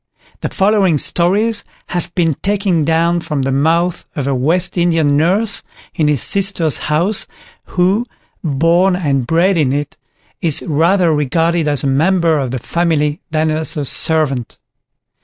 The following stories have been taken down from the mouth of a West Indian nurse in his sister's house, who, born and bred in it, is rather regarded as a member of the family than as a servant.